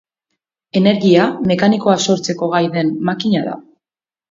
Energia mekanikoa sortzeko gai den makina da.